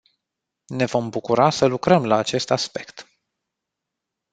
Ne vom bucura să lucrăm la acest aspect.